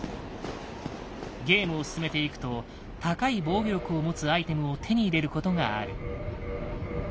ゲームを進めていくと高い防御力を持つアイテムを手に入れることがある。